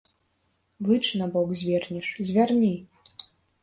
Лыч набок звернеш, звярні!